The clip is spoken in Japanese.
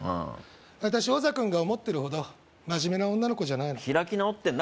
私おざ君が思ってるほど真面目な女の子じゃないの開き直ってんな